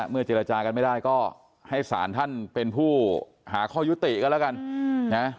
เจรจากันไม่ได้ก็ให้สารท่านเป็นผู้หาข้อยุติกันแล้วกันนะ